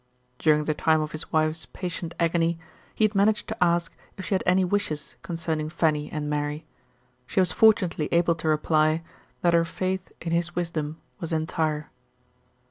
During the time of his wife's patient agony he had managed to ask if she had any wishes concerning Fanny and Mary. She was fortunately able to reply that her faith in his wisdom was entire.